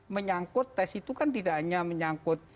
menyangkut tes itu kan tidak hanya menyangkut